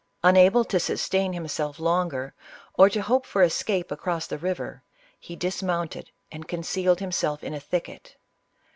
Unable to sustain himself longer, or to hope for escape across the river, he dismounted and concealed himself in a thicket.